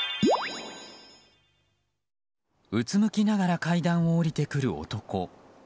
うつむきながら階段を下りてくる男。